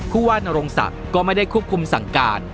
ผู้ว่านรงศักดิ์ก็ไม่ได้ควบคุมสั่งการ